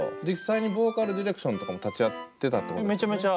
実際にボーカルディレクションとかも立ち合ってたってことですよね？